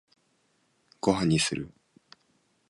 ご飯にする？